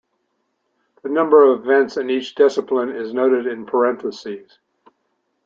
The number of events in each discipline is noted in parentheses.